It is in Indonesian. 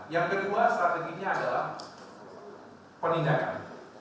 yang kedua strateginya adalah penindakan